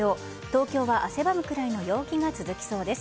東京は汗ばむくらいの陽気が続きそうです。